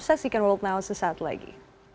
saksikan world now sesaat lagi